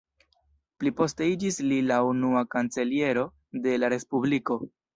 Pli poste iĝis li la unua kanceliero de la respubliko.